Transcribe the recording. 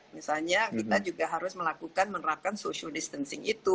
misalnya kita juga harus melakukan menerapkan social distancing itu